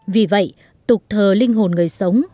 vì vậy tục thờ linh hồn người sống